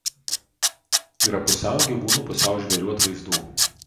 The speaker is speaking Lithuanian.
Yra pusiau gyvūnų pusiau žvėrių atvaizdų.